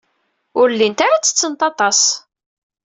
Ur llint ara ttettent aṭas.